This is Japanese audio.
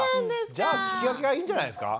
じゃあ聞き分けがいいんじゃないですか。